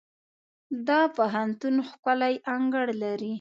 دا پوهنتون ښکلی انګړ لري.